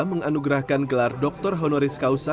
menganugerahkan gelar doktor honoris causa